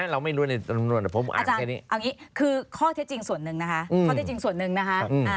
อาจารย์เอาอย่างนี้คือข้อเท็จจริงส่วนหนึ่งนะคะ